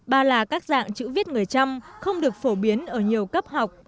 ba là các dạng chữ viết người chăm không được phổ biến ở nhiều cấp học